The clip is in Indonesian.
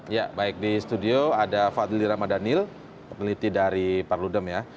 ya baik di studio ada fadli ramadhanil peneliti dari perludem ya